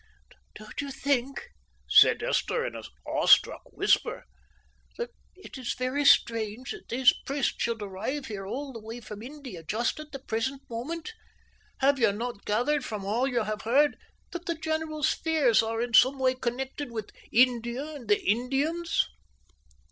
"Don't you think," said Esther, in an awe struck whisper, "that it is very strange that these priests should arrive here all the way from India just at the present moment? Have you not gathered from all you have heard that the general's fears are in some way connected with India and the Indians?"